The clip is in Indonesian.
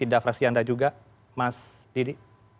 anda juga mas didi